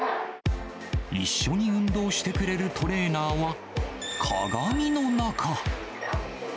一緒に運動してくれるトレーナーは鏡の中。